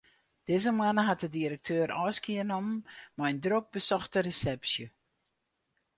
Dizze moanne hat de direkteur ôfskie nommen mei in drok besochte resepsje.